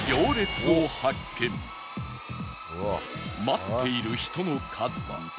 待っている人の数は